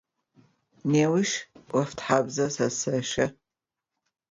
Nêuş 'ofthabze zêseşe.